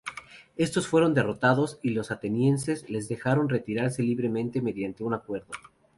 Estos fueron derrotados, y los atenienses les dejaron retirarse libremente mediante un acuerdo.